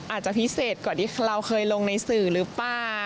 อาจจะพิเศษกว่าที่เราเคยลงในสื่อหรือเปล่า